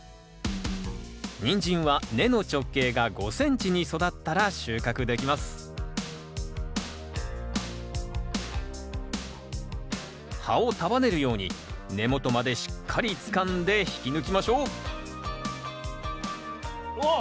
ニンジンは根の直径が５ｃｍに育ったら収穫できます葉を束ねるように根元までしっかりつかんで引き抜きましょううわっ。